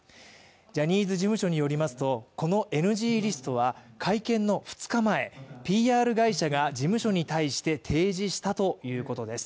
ジャニーズ事務所によりますと、このＮＧリストは会見の２日前、ＰＲ会社が事務所に対して提示したということです。